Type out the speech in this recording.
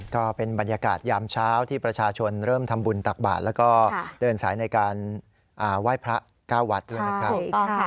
ก็เป็นบรรยากาศยามเช้าที่ประชาชนเริ่มทำบุญตักบาทแล้วก็เดินสายในการไหว้พระเก้าวัดด้วยนะครับ